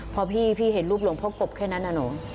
พอพี่เห็นรูปหลวงพ่อกบแค่นั้นนะหนู